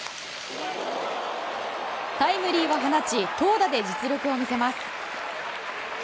タイムリーを放ち投打で実力を見せます。